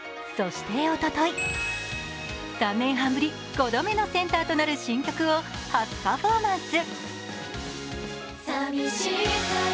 そして、おととい、３年半ぶり、５度目のセンターとなる新曲を初パフォーマンス。